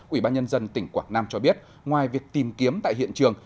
ủy ban nhân dân tỉnh quảng nam cho biết ngoài việc tìm kiếm tại hiện trường